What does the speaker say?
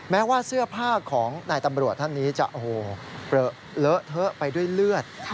แม้ว่าเสื้อผ้าของนายตำรวจท่านนี้จะโอ้โหเปลอะเทอะไปด้วยเลือด